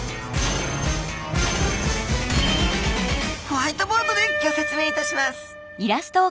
ホワイトボードでギョ説明いたします